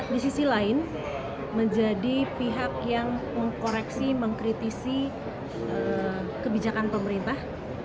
di sisi lain menjadi pihak yang mengkoreksi mengkritisi kebijakan pemerintah